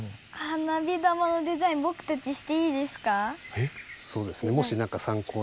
えっ！